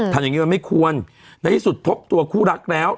ทำอย่างนี้มันไม่ควรในที่สุดพบตัวคู่รักแล้ว